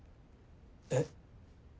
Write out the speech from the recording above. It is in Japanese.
えっ？